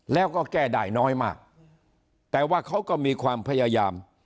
แล้วก็แก้ได้น้อยมากแต่ว่าเขาก็มีความพยายาม